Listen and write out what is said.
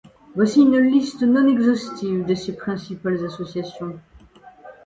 Voici une liste non exhaustive de ses principales associations.